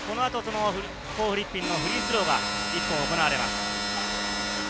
コー・フリッピンのフリースローが１本行われます。